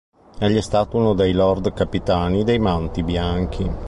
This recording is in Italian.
Egli è stato uno dei Lord Capitani dei Manti Bianchi.